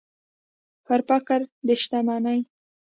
پر فقر د شتمنۍ